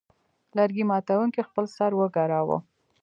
لرګي ماتوونکي خپل سر وګراوه.